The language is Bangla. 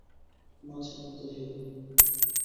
মা ছিল আমাদের হিরো।